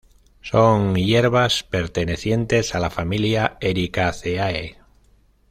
Son hierbas pertenecientes a la familia Ericaceae.